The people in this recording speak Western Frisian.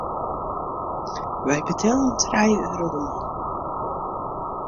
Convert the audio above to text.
Wy betellen trije euro de man.